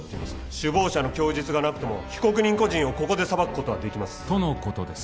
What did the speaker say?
首謀者の供述がなくとも被告人個人をここで裁くことはできますとのことです